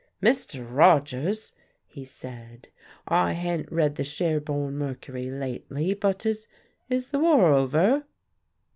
"Mr. Rogers," he said, "I han't read the Sherborne Mercury lately, but is is the war over?"